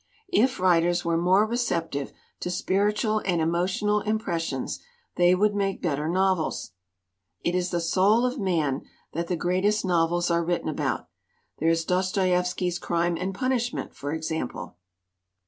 If writers were more receptive to spirit ual and emotional impressions they would make better novels. It is the soul of man that the greatest novels are written about there is Dos toievski's Crime and Punishment, for example!"